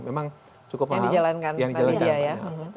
memang cukup mahal yang dijalankan